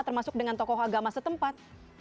termasuk dengan tokoh agama setempat